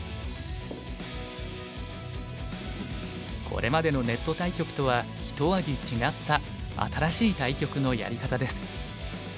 これまでのネット対局とはひと味違った新しい対局のやり方です。